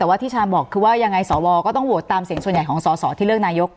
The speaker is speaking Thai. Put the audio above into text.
แต่ว่าที่ชาญบอกคือว่ายังไงสวก็ต้องโหวตตามเสียงส่วนใหญ่ของสอสอที่เลือกนายก